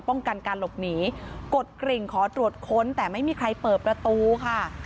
ป้องกันการหลบหนีกดกริ่งขอตรวจค้นแต่ไม่มีใครเปิดประตูค่ะ